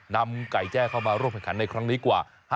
นำไก่แจ้เข้ามาร่วมแข่งขันในครั้งนี้กว่า